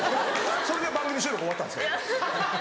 それで番組収録終わったんです。